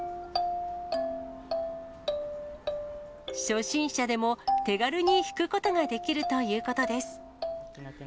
初心者でも手軽に弾くことができるということです。